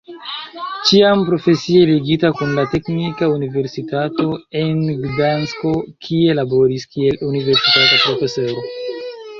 Ĉiam profesie ligita kun la Teknika Universitato en Gdansko, kie laboris kiel universitata profesoro.